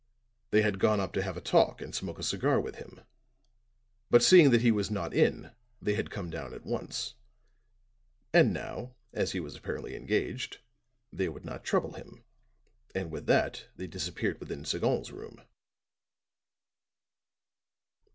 They had gone up to have a talk and smoke a cigar with him; but seeing that he was not in, they had come down at once. And now, as he was apparently engaged, they would not trouble him, and with that they disappeared within Sagon's room."